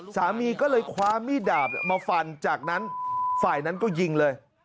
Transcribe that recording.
สามีก็เลยคว้ามีดดาบมาฟันจากนั้นฝ่ายนั้นก็ยิงเลย